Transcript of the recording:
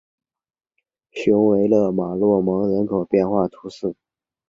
雄维勒马洛蒙人口变化图示